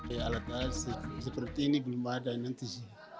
ya alat alat seperti ini belum ada nanti